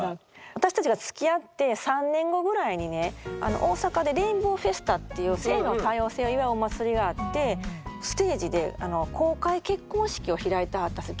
私たちがつきあって３年後ぐらいにね大阪でレインボーフェスタっていう性の多様性を祝うお祭りがあってステージで公開結婚式を開いてはったんです